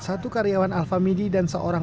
satu karyawan alfa media dan seorang